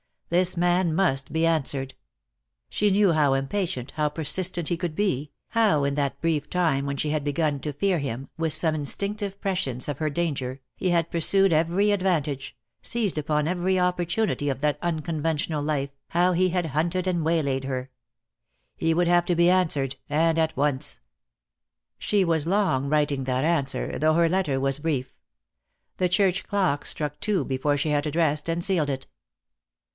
This man must be answered. She knew how DEAD LOVE HAS CHAINS. 229 impatient, how persistent he could be, how in that brief time when she had begun to fear him, with some instinctive prescience of her danger, he had pursued every advantage, seized upon every op portunity of that unconventional life, how he had hunted and waylaid her. He would have to be an swered, and at once. She was long writing that answer, though her letter was brief. The church clocks struck two be fore she had addressed and sealed it.